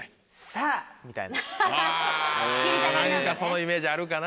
あぁ何かそのイメージあるかな？